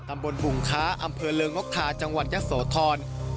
อำบลบุงค้าอำเภอเลิงนกทาจังหวัดยักษ์โสธร